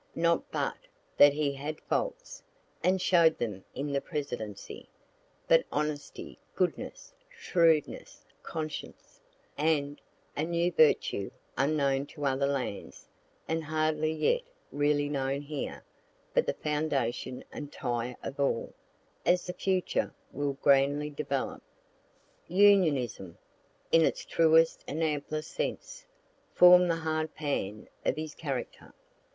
Not but that he had faults, and show'd them in the Presidency; but honesty, goodness, shrewdness, conscience, and (a new virtue, unknown to other lands, and hardly yet really known here, but the foundation and tie of all, as the future will grandly develop,) UNIONISM, in its truest and amplest sense, form'd the hard pan of his character.